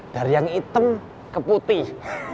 dari yang hitam ke putih